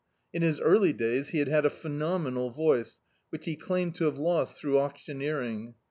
In his early days he had had a phe nomenal voice, which he claimed to have lost through auctioneering.